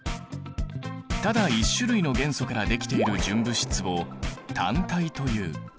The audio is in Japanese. ただ１種類の元素からできている純物質を単体という。